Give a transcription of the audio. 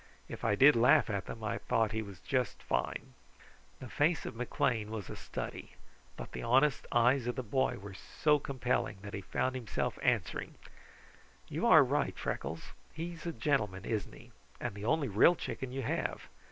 If I did laugh at them I thought he was just fine!" The face of McLean was a study; but the honest eyes of the boy were so compelling that he found himself answering: "You are right, Freckles. He's a gentleman, isn't he? And the only real chicken you have.